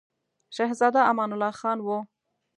شهزاده امان الله خان وو.